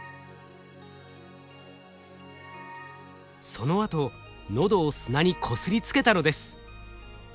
そのあと喉を砂にこすりつけたのです。